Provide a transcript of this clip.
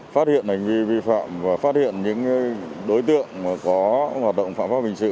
phát hiện hành vi vi phạm và phát hiện những đối tượng có hoạt động phạm pháp hình sự